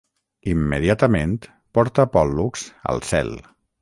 Immediatament porta Pòl·lux al cel.